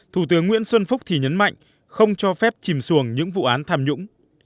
thủ tướng nguyễn xuân phúc thì nhấn mạnh không cho phép chìm xuồng những vụ án tham nhũng